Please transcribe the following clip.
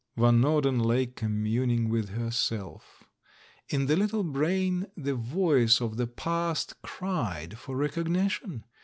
Van Norden lay communing with herself. In the little brain the voice of the past cried for rec ognition.